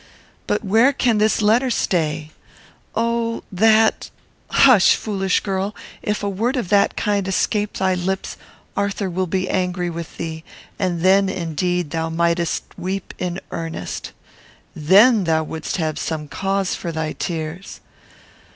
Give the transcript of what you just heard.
But where can this letter stay? Oh! that hush! foolish girl! If a word of that kind escape thy lips, Arthur will be angry with thee; and then, indeed, thou mightest weep in earnest. Then thou wouldst have some cause for thy tears.